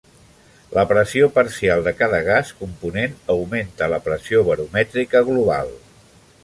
La pressió parcial de cada gas component augmenta la pressió baromètrica global.